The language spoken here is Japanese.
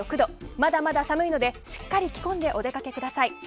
まだまだ寒いのでしっかり着込んでお出かけください。